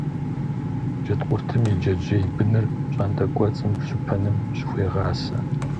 Джэдкъуртым и джэджьей быныр пщӀантӀэ кӀуэцӀым щыпэным щыхуегъасэ.